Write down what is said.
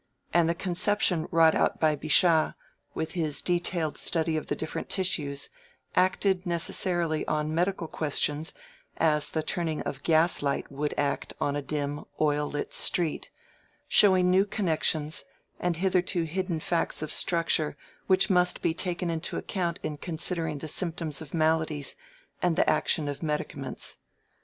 And the conception wrought out by Bichat, with his detailed study of the different tissues, acted necessarily on medical questions as the turning of gas light would act on a dim, oil lit street, showing new connections and hitherto hidden facts of structure which must be taken into account in considering the symptoms of maladies and the action of medicaments.